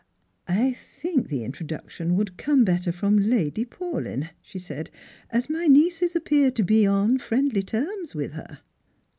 " I think the introduction would come better from Lady Paulyn," she said, " as my nieces appear to be on friendly terms with her."